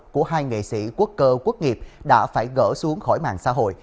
của hai nghệ sĩ quốc cơ quốc nghiệp đã phải gỡ xuống khỏi mạng xã hội